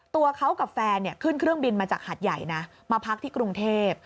ตัวเขากับแฟนขึ้นเครื่องบินมาจากหัดใหญ่นะมาพักที่กรุงเทพ